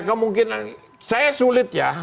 kemungkinan saya sulit ya